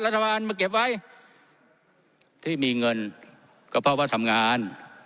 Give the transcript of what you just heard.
รัฐบาลมาเก็บไว้ที่มีเงินก็เพราะว่าทำงาน